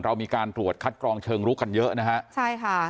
เรามีการตรวจคัดกรองเชิงลุกกันเยอะนะฮะใช่ค่ะ